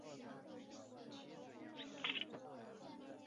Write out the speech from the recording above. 后梁末帝朱友贞干化二年敦煌迎来一位新的统治者曹议金。